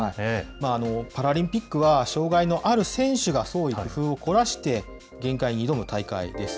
パラリンピックは障害のある選手が創意工夫を凝らして、限界に挑む大会です。